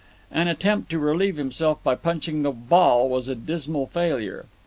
An attempt to relieve himself by punching the ball was a dismal failure.